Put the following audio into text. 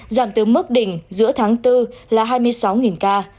giảm từ mức đỉnh giữa tháng bốn là hai mươi sáu ca